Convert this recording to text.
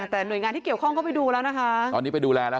แต่หน่วยงานที่เกี่ยวข้องก็ไปดูแล้วนะคะ